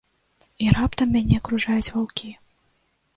І раптам мяне акружаюць ваўкі.